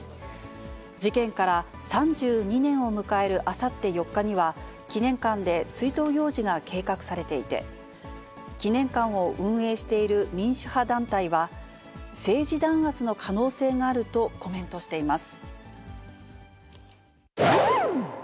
事件から３２年を迎えるあさって４日には、記念館で追悼行事が計画されていて、記念館を運営している民主派団体は、政治弾圧の可能性があるとコメントしています。